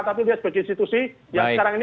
tapi lihat bagi institusi yang sekarang ini